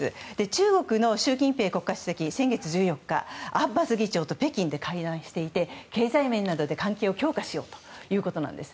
中国の習近平国家主席先月１４日アッバス議長と北京で会談していて経済面などで関係を強化しようということなんです。